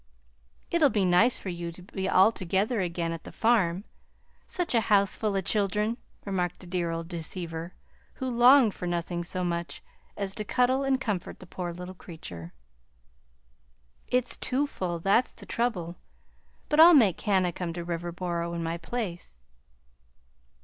"It'll be nice for you to be all together again at the farm such a house full o' children!" remarked the dear old deceiver, who longed for nothing so much as to cuddle and comfort the poor little creature. "It's too full that's the trouble. But I'll make Hannah come to Riverboro in my place."